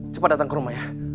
coba datang ke rumah ya